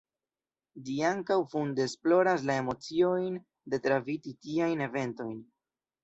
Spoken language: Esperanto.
Ĝi ankaŭ funde esploras la emociojn de travivi tiajn eventojn.